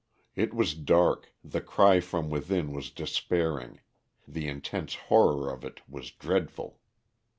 It was dark, the cry from within was despairing, the intense horror of it was dreadful.